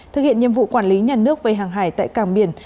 thực hiện nhiệm vụ quản lý nhà nước về hàng hải tại cảng biển